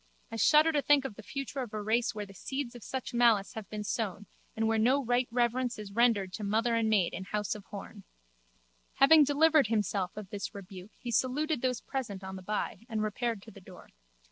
I shudder to think of the future of a race where the seeds of such malice have been sown and where no right reverence is rendered to mother and maid in house of Horne. Having delivered himself of this rebuke he saluted those present on the by and repaired to the door.